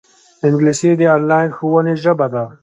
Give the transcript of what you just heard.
انګلیسي د انلاین ښوونې ژبه ده